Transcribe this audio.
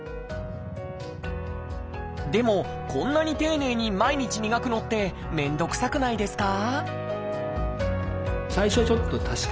でもこんなに丁寧に毎日磨くのって面倒くさくないですか？